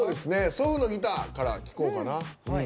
「祖父のギター」から聞こうかな。